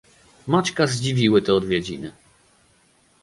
"Maćka zdziwiły te odwiedziny."